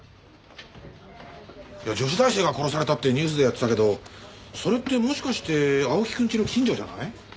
女子大生が殺されたってニュースでやってたけどそれってもしかして青木くん家の近所じゃない？